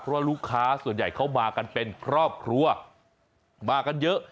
เพราะลูกค้าส่วนใหญ่เขามากันเป็นครอบครัวมากันเยอะ